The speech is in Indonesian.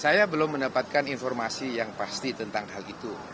saya belum mendapatkan informasi yang pasti tentang hal itu